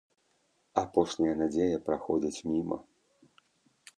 Апошняя надзея праходзіць міма.